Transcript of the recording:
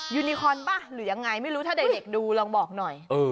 ยูนิคอนป่ะหรือยังไงไม่รู้ถ้าเด็กดูลองบอกหน่อย